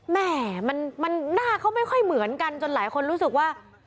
แม่มันหน้าเขาไม่ค่อยเหมือนกันจนหลายคนรู้สึกว่า